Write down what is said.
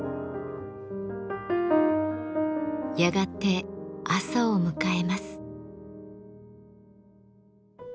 やがて朝を迎えます。